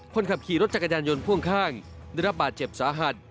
คนขับขี่รถจักรยานยนต์พ่วงข้างได้รับบาดเจ็บสาหัส